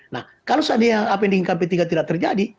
nah kalau seandainya apa yang diinginkan p tiga tidak terjadi